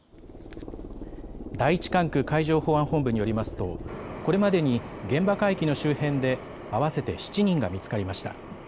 第１管区海上保安本部によりますとこれまでに現場海域の周辺で合わせて７人が見つかりました。